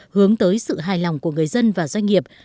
hướng tới sự hài lòng của người dân và doanh nghiệp